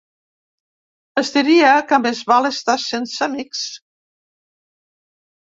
Es diria que més val estar sense amics.